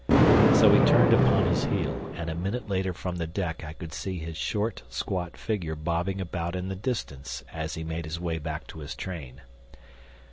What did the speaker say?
So he turned upon his heel, and a minute later from the deck I could see his short, squat figure bobbing about in the distance as he made his way back to his train.